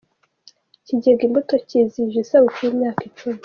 Ikigega Imbuto CyIzihije isabukuru y’imyaka Icumi